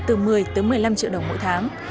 từ một mươi tới một mươi năm triệu đồng mỗi tháng